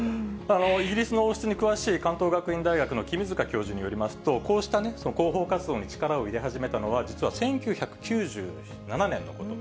イギリスの王室に詳しい関東学院大学の君塚教授によりますと、こうした広報活動に力を入れ始めたのは、実は１９９７年のこと。